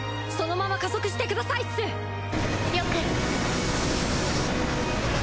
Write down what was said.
そのまま加速してくださいっす。